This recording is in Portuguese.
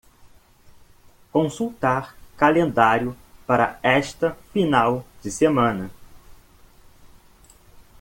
Consultar calendário para esta final de semana.